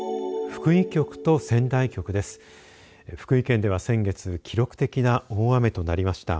福井県では先月、記録的な大雨となりました。